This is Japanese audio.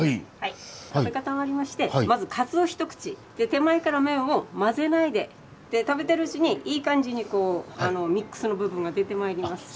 食べ方がありましてまずカツを一口で手前から麺を混ぜないで食べてるうちにいい感じにこうミックスの部分が出てまいります。